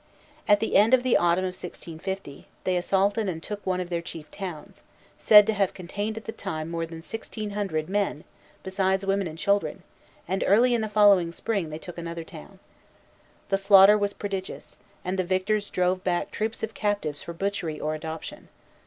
At the end of the autumn of 1650, they assaulted and took one of their chief towns, said to have contained at the time more than sixteen hundred men, besides women and children; and early in the following spring, they took another town. The slaughter was prodigious, and the victors drove back troops of captives for butchery or adoption.